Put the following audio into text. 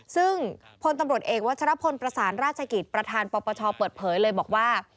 ซึ่งพลตำรวจเอกวัชรพลประสานราชกิจประธานปปชเปิดเผยเลยบอกว่า